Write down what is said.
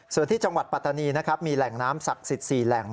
ส่วนที่จังหวัดปัตตานีนะครับมีแหล่งน้ำศักดิ์สิทธิ์๔แหล่ง